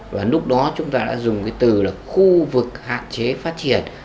và lúc đó chúng ta đã dùng cái từ là khu vực hạn chế phát triển